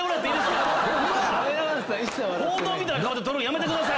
報道みたいな顔で撮るんやめてください！